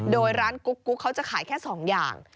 โดยร้านกุ๊กกุ๊กเขาจะขายแค่สองอย่าง